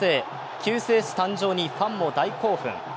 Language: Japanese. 救世主誕生にファンも大興奮。